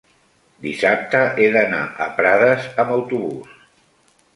dissabte he d'anar a Prades amb autobús.